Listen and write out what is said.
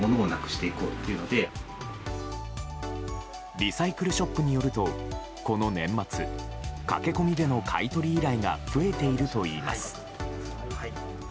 リサイクルショップによるとこの年末駆け込みでの買い取り依頼が増えているといいます。